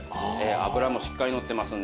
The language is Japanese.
脂もしっかりのってますので。